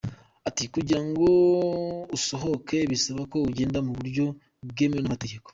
Ati “Kugira ngo usohoke bisaba ko ugenda mu buryo bwemewe n’amategeko.